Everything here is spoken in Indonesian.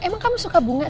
emang kamu suka bunga sih